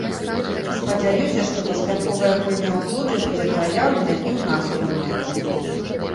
Спадзяюся, што паспяховая гульня ў клубе будзе праяўлена і ў нас у камандзе.